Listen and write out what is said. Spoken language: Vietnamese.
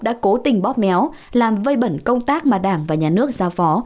đã cố tình bóp méo làm vây bẩn công tác mà đảng và nhà nước giao phó